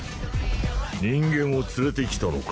人間を連れてきたのか。